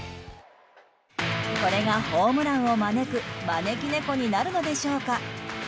これがホームランを招く招き猫になるのでしょうか。